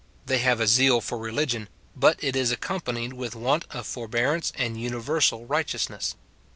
They have a zeal for religion ; but it is accompanied with want of forbearance and universal righteousness.